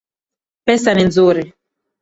Pesa ni nzuri